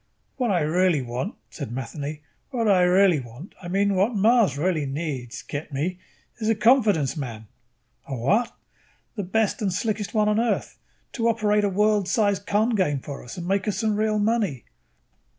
"What I really want," said Matheny, "what I really want I mean what Mars really needs, get me? is a confidence man." "A what?" "The best and slickest one on Earth, to operate a world size con game for us and make us some real money."